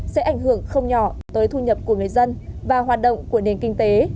sẽ ảnh hưởng không nhỏ tới thu nhập của người dân và hoạt động của nền kinh tế